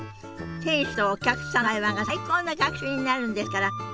店主とお客さんの会話が最高の学習になるんですから。